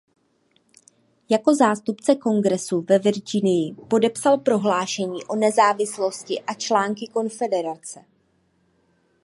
Jako zástupce kongresu ve Virginii podepsal prohlášení o nezávislosti a Články Konfederace.